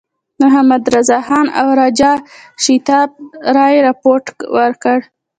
محمدرضاخان او راجا شیتاب رای رپوټ ورکړ.